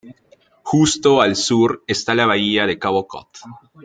Justo al sur está la bahía de Cabo Cod.